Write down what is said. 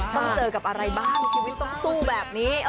ต้องเจอกับอะไรบ้างชีวิตต้องสู้แบบนี้